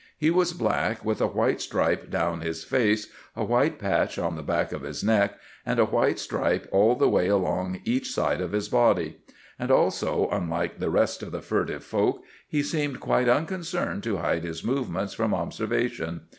He was black, with a white stripe down his face, a white patch on the back of his neck, and a white stripe all the way along each side of his body. And, also, unlike the rest of the furtive folk, he seemed quite unconcerned to hide his movements from observation.